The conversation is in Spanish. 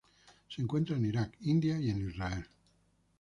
Se encuentra en Irak, India y en Israel.